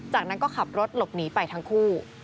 จากนั้นก็ขับรถหลบหนีไปทั้งคู่